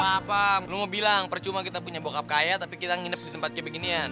maaf lu mau bilang percuma kita punya bokap kaya tapi kita nginep di tempat kayak beginian